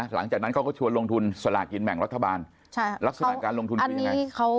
หลังจากนั้นเขาก็ชวนลงทุนสลากินแบ่งรัฐบาลลักษณะการลงทุนคือยังไง